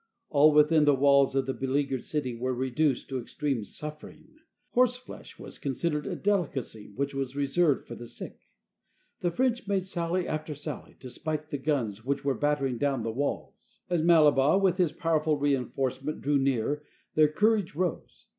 All within the walls of the beleaguered city were reduced to extreme suffering. Horseflesh was considered a delicacy which was reserved for the sick. The French made sally after sally to spike the guns which were battering down the walls. As Mallebois, with his powerful reinforcement, drew near, their cour age rose.